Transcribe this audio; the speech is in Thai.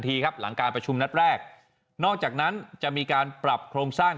ทีครับหลังการประชุมนัดแรกนอกจากนั้นจะมีการปรับโครงสร้าง